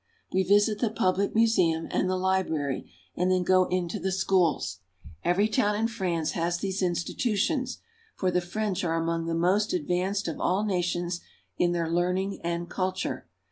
We visit the public museum and the library, and then go into the schools. Every town in France has these institu tions, for the French are among the most advanced of all nations in their learning and culture.